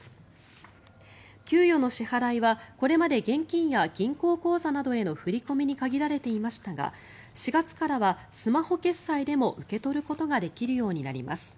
給与の支払いはこれまで現金や銀行口座などへの振り込みに限られていましたが４月からはスマホ決済でも受け取ることができるようになります。